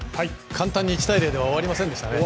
簡単に１対０では終わりませんでしたね。